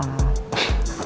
aku mau ketemu siapa